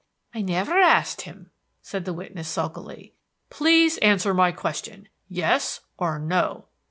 "I never asked him," said the witness sulkily. "Please answer my question yes or no."